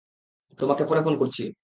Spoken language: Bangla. তোমাকে পরে ফোন করছি।